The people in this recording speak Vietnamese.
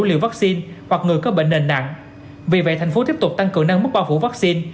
liều vaccine hoặc người có bệnh nền nặng vì vậy thành phố tiếp tục tăng cường nâng mức bao phủ vaccine